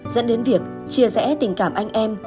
dẫn đến việc chia rẽ tình cảm anh em